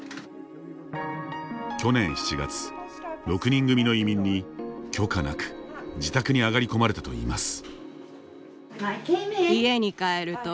去年７月６人組の移民に許可無く自宅に上がり込まれたといいます。